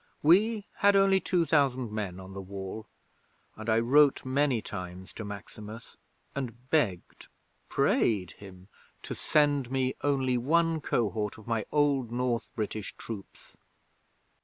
We had only two thousand men on the Wall, and I wrote many times to Maximus and begged prayed him to send me only one cohort of my old North British troops.